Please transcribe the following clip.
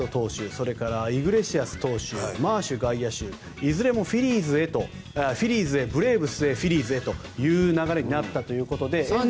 それからイグレシアス投手マーシュ外野手フィリーズへ、ブレーブスへフィリーズへという流れになったということで。